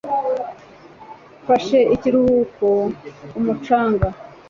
Mfashe ikiruhuko ku mucanga.